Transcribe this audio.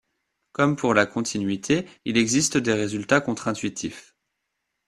Comme pour la continuité, il existe des résultats contre-intuitifs.